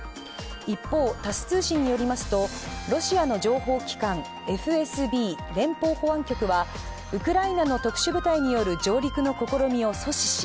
一方、タス通信によりますとロシアの情報機関、ＦＳＢ＝連邦保安局はウクライナの特殊部隊による上陸の試みを阻止し、